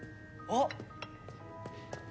あっ。